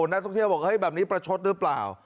นักท่องเที่ยวบอกเฮ้ยแบบนี้ประชดหรือเปล่า